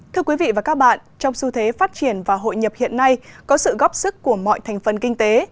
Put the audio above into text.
thưa quý vị và các bạn trong xu thế phát triển và hội nhập hiện nay có sự góp sức của mọi thành phần kinh tế